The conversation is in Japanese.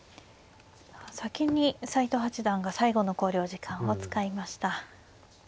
先に斎藤八段が最後の考慮時間を使いました。